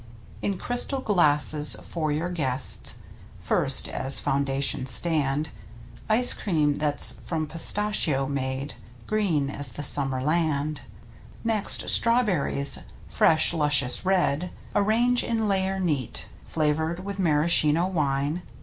In crystal glasses for your guests First, as foundation stand Ice cream that's from Pistachio made. Green as the summer land. Next strawberries — fresh, luscious, red — Arrange in layer neat, Flavored with Maraschino wine.